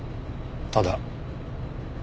ただ。